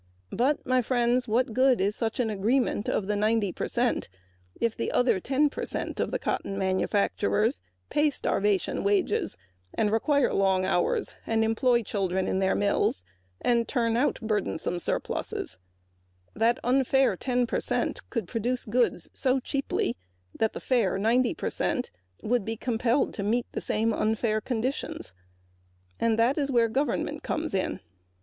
But, what good is such an agreement if the other ten percent of cotton manufacturers pay starvation wages, require long hours, employ children in their mills and turn out burdensome surpluses? The unfair ten percent could produce goods so cheaply that the fair ninety percent would be compelled to meet the unfair conditions. Here is where government comes in.